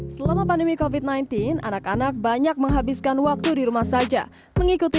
selama pandemi kofit sembilan belas anak anak banyak menghabiskan waktu di rumah saja mengikuti